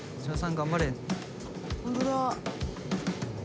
頑張れ。